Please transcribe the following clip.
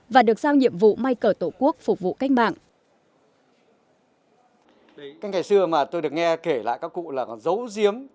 và được giao nhiệm vụ may cờ tổ quốc phục vụ cách mạng